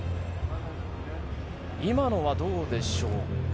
今のはどうでしょうか。